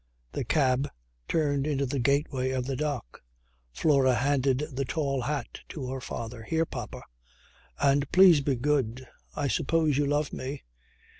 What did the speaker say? The cab turned into the gateway of the dock. Flora handed the tall hat to her father. "Here, papa. And please be good. I suppose you love me.